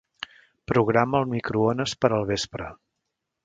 Programa el microones per al vespre.